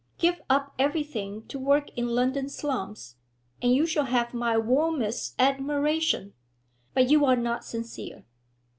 Give up everything to work in London slums, and you shall have my warmest admiration. But you are not sincere.'